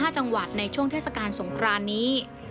๕จังหวัดในช่วงเทศกาลสงครานนี้